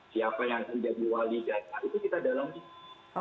siapa yang menjadi wali data pribadi itu kita dalam pilihan